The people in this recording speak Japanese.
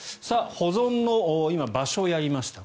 保存の今、場所をやりました。